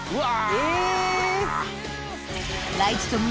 え！